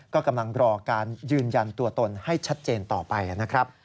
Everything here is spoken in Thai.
ก็กำลังรอการยืนยันตัวตนให้ชัดเจนต่อไปนะครับ